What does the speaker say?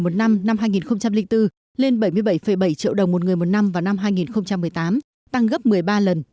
một năm năm hai nghìn bốn lên bảy mươi bảy bảy triệu đồng một người một năm vào năm hai nghìn một mươi tám tăng gấp một mươi ba lần